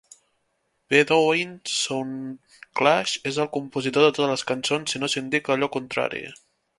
Bedouin Soundclash és el compositor de totes les cançons, si no s"indica allò contrari.